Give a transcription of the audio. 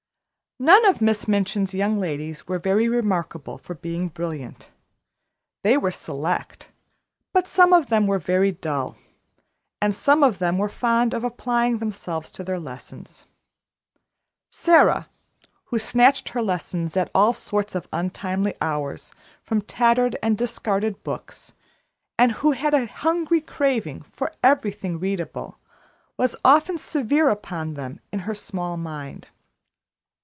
None of Miss Minchin's young ladies were very remarkable for being brilliant; they were select, but some of them were very dull, and some of them were fond of applying themselves to their lessons. Sara, who snatched her lessons at all sorts of untimely hours from tattered and discarded books, and who had a hungry craving for everything readable, was often severe upon them in her small mind.